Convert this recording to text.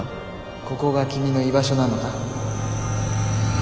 ここが君の居場所なのか？